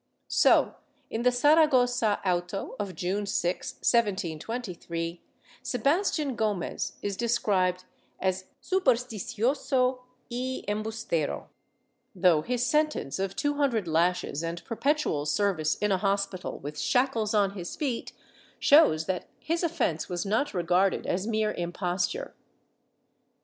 So, in the Saragossa auto of June 6, 1723, Sebastian Gomez is described as supersticioso y embustero, though his sentence of two hundred lashes and perpetual service in a hospital with shackles on his feet shows that his offence was not regarded as mere imposture.